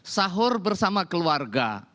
sahur bersama keluarga